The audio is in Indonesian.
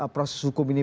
proses hukum ini